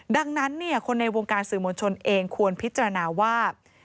ดังนั้นคนในวงการสื่อมวลชนเองควรพิจารณาว่า